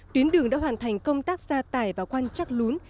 tuyến đường đã hoàn thành công tác ra tải và quan chắc lún